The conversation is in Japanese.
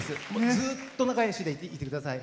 ずっと仲よしでいてください。